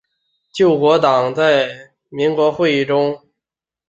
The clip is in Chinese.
救国党在国民议会的议席随后被其它政党瓜分。